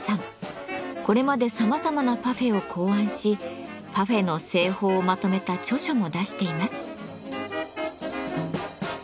これまでさまざまなパフェを考案しパフェの製法をまとめた著書も出しています。